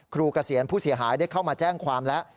เกษียณผู้เสียหายได้เข้ามาแจ้งความแล้ว